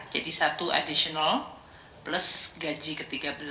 jadi satu additional plus gaji ke tiga belas